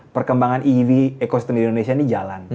perkembangan ev ekosistem di indonesia ini jalan